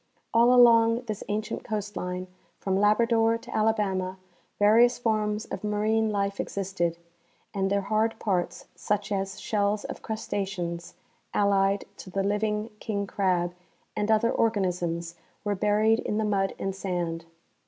All along this ancient coast line, from Labrador to Alabama, various forms of marine life existed, and their hard parts, such as shells of crustaceans (allied to the living king crab) and other organisms, were buried in the mud and sand.